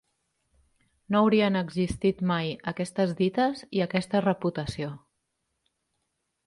No haurien existit mai aquestes dites i aquesta reputació.